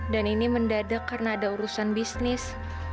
dan ini mendadak karena ada urusan bisnis